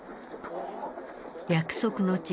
約束の地